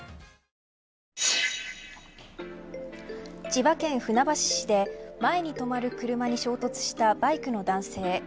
千葉県船橋市で前に止まる車に衝突したバイクの男性。